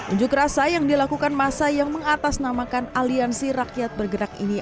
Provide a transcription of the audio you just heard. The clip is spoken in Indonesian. unjuk rasa yang dilakukan masa yang mengatasnamakan aliansi rakyat bergerak ini